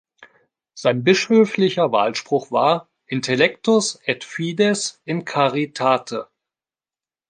Sein bischöflicher Wahlspruch war: "Intellectus et fides in caritate".